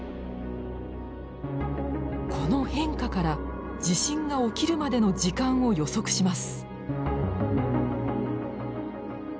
この変化から地震が起きるまでの時間を予測します。